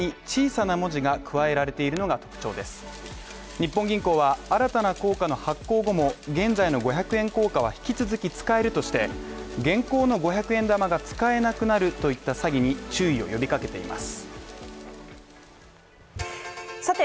日本銀行は、新たな硬貨の発行後も現在の５００円硬貨は引き続き使えるとして、現行の５００円玉が使えなくなるといった詐欺に注意を呼びかけています。